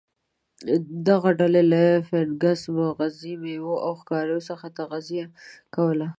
دغه ډلې له فنګس، مغزي میوو او ښکار څخه تغذیه کوله.